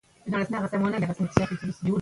وادي د افغانستان د پوهنې نصاب کې شامل دي.